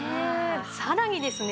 さらにですね